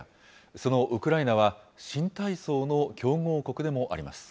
そのウクライナは新体操の強豪国でもあります。